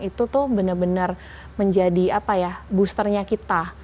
itu tuh benar benar menjadi boosternya kita